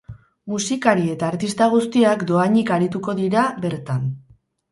Musikari eta artista guztiak dohainik arituko dira bertan.